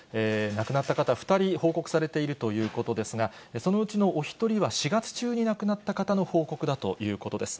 亡くなった方、２人報告されているということですが、そのうちのお１人は４月中に亡くなった方の報告だということです。